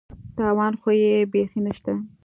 تاوان خو یې بېخي نشته.